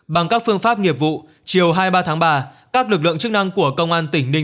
hai nghìn hai mươi bốn bằng các phương pháp nghiệp vụ chiều hai mươi ba tháng ba các lực lượng chức năng của công an tỉnh ninh